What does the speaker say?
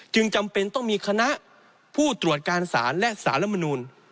จำเป็นต้องมีคณะผู้ตรวจการศาลและสารมนูล